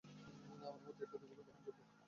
আমার মতে, এটিই অধিকতর গ্রহণযোগ্য।